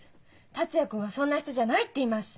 「達也君はそんな人じゃない」って言います。